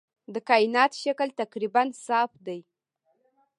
د کائنات شکل تقریباً صاف دی.